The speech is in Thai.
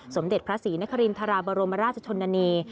สมเด็จพระศรีนครินทราบรมราชชนนานี